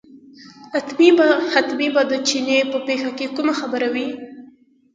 حتمي به د چیني په پېښه کې کومه خبره وي.